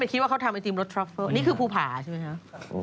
ไม่คิดว่าเขาทำไอติมรสทรัฟเฟิลนี่คือภูผ่าใช่ไหมครับ